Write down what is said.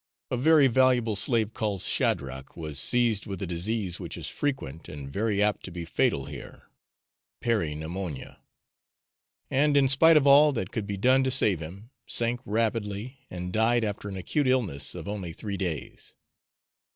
A very valuable slave called Shadrach was seized with a disease which is frequent, and very apt to be fatal here peri pneumonia; and in spite of all that could be done to save him, sank rapidly, and died after an acute illness of only three days.